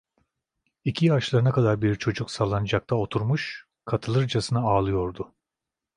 İki yaşlarında kadar bir çocuk salıncakta oturmuş katılırcasına ağlıyordu.